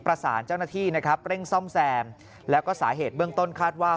ประสานเจ้าหน้าที่นะครับเร่งซ่อมแซมแล้วก็สาเหตุเบื้องต้นคาดว่า